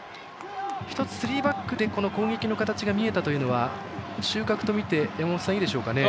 １つスリーバックで攻撃の形が見えたというのは収穫と見て、いいでしょうかね。